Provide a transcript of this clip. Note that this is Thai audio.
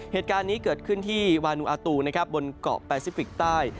เหตุการณ์นี้เกิดขึ้นที่วานูอาตูนะครับบนเกาะแปซิฟิกใต้